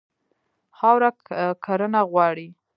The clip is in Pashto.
خاوره کرنه غواړي.